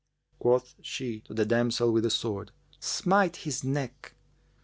Quoth she to the damsel with the sword, 'Smite his neck.'